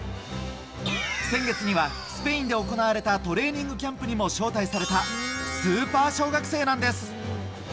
先月にはスペインで行われたトレーニングキャンプにも招待されたスーパー小学生なんです。